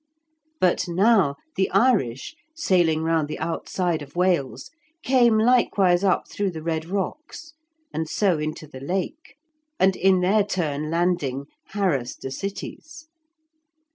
But now the Irish, sailing round the outside of Wales, came likewise up through the Red Rocks, and so into the Lake, and in their turn landing, harassed the cities.